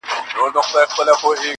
دا جاهل او دا کم ذاته دا کم اصله.